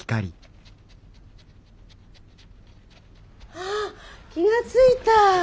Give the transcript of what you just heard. あっ気が付いた！